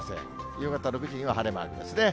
夕方６時には晴れマークですね。